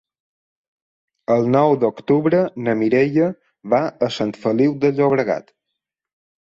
El nou d'octubre na Mireia va a Sant Feliu de Llobregat.